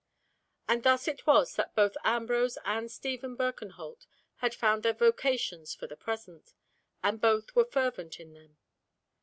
And thus it was that both Ambrose and Stephen Birkenholt had found their vocations for the present, and both were fervent in them.